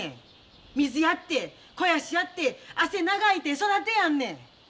水やって肥やしやって汗流いて育てやんねん。